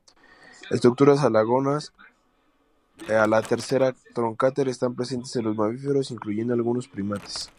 Estructuras análogas a la tercera trocánter están presentes en los mamíferos, incluyendo algunos primates.